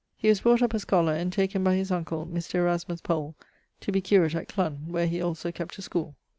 He was brought up a scholar, and taken by his uncle Mr. Erasmus Powell to be curate at Clun, where he also kept a schoole.'